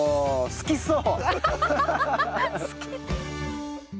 好きそう。